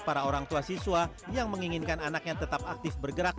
para orang tua siswa yang menginginkan anaknya tetap aktif bergerak